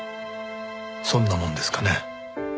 そんなもんですかね？